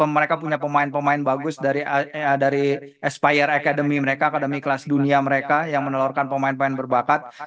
mereka punya pemain pemain bagus dari aspire academy mereka akademi kelas dunia mereka yang menelurkan pemain pemain berbakat